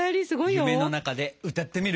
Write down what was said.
夢の中で歌ってみる？